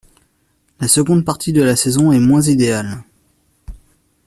La seconde partie de la saison est moins idéale.